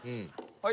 はい。